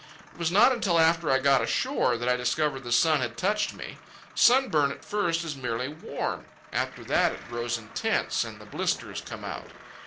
It was not until after I got ashore that I discovered the sun had touched me. Sunburn at first is merely warm; after that it grows intense and the blisters come out.